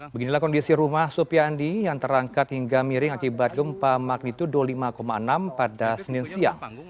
beginilah kondisi rumah supiandi yang terangkat hingga miring akibat gempa magnitudo lima enam pada senin siang